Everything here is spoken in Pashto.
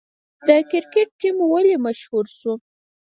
د کرکټ ټیم ولې مشهور شو؟